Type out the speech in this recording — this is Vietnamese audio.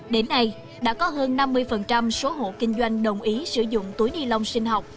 đến nay đã có hơn năm mươi số hộ kinh doanh đồng ý sử dụng túi ni lông sinh học